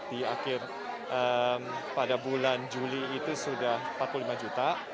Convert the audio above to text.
di akhir pada bulan juli itu sudah empat puluh lima juta